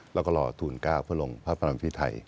แล้วก็รอทูล๙เพื่อลงพระบรมพิไทย